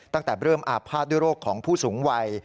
ตั้งแต่เริ่มอาภาษณ์ด้วยโรคของผู้สูงวัย